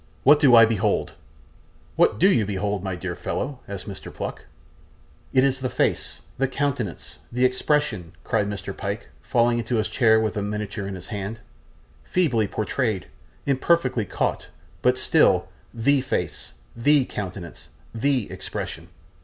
what do I behold!' 'What DO you behold, my dear fellow?' asked Mr. Pluck. 'It is the face, the countenance, the expression,' cried Mr. Pyke, falling into his chair with a miniature in his hand; 'feebly portrayed, imperfectly caught, but still THE face, THE countenance, THE expression.